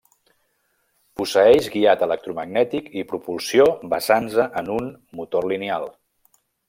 Posseeix guiat electromagnètic i propulsió basant-se en un motor lineal.